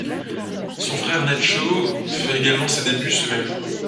Son frère, Nacho, fait également ses débuts ce même jour.